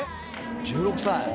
１６歳。